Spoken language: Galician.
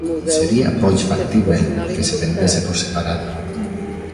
Sería pois factíbel que se vendese por separado.